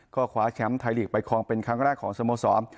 ก็คว้าแชมป์ไทยลีกไปคลองเป็นครั้งแรกของสโมสร